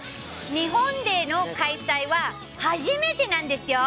日本での開催は、初めてなんですよ。